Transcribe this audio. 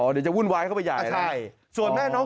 อ๋อเดี๋ยวจะวุ่นวายเข้าไปใหญ่นะ